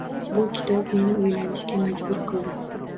Bu kitob meni o‘ylanishga majbur qildi.